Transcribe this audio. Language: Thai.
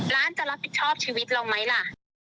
ร้านจะรับผิดชอบชีวิตเราไหมล่ะ